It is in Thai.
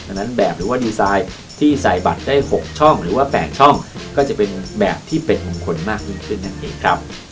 ดังนั้นแบบหรือว่าดีไซน์ที่ใส่บัตรได้๖ช่องหรือว่า๘ช่องก็จะเป็นแบบที่เป็นมงคลมากยิ่งขึ้นนั่นเองครับ